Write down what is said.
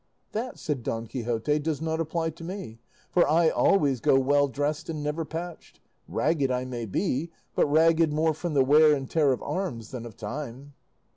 "That," said Don Quixote, "does not apply to me, for I always go well dressed and never patched; ragged I may be, but ragged more from the wear and tear of arms than of time."